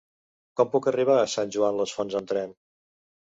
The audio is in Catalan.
Com puc arribar a Sant Joan les Fonts amb tren?